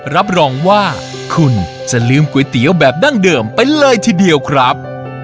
รับรองว่าคุณจะลืมก๋วยเตี๋ยวแบบดั้งเดิมไปเลยทีเดียวครับ